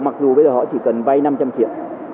mặc dù bây giờ họ chỉ cần vay năm trăm linh triệu